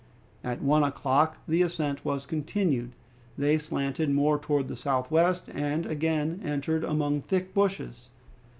At one o'clock the ascent was continued. They slanted more towards the southwest and again entered among thick bushes.